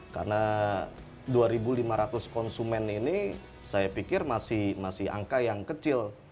karena dua lima ratus konsumen ini saya pikir masih angka yang kecil